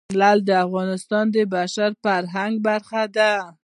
لعل د افغانستان د بشري فرهنګ برخه ده.